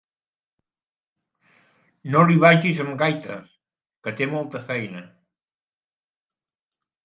No li vagis amb gaites, que té molta feina!